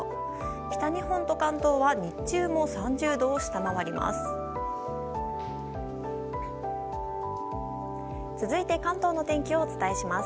北日本と関東は日中も３０度を下回ります。